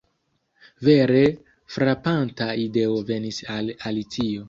Vere frapanta ideo venis al Alicio.